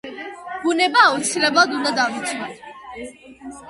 ბუნება აუცილებლად უნდა დავიცვათ